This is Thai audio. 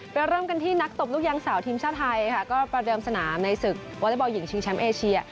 เริ่มกันที่นักตบลูกยางสาวทีมชาติไทยค่ะก็ประเดิมสนามในศึกวอเล็กบอลหญิงชิงแชมป์เอเชีย